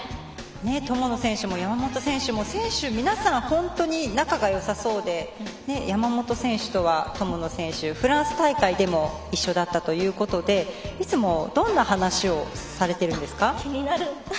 友野選手も山本選手も選手皆さん本当に仲がよさそうで山本選手と友野選手はフランス大会でも一緒だったということでいつもどんな話をされてるんですか？